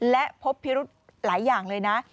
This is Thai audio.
และพบพิรุธหลายอย่างเลยนะ